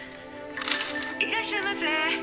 「いらっしゃいませ」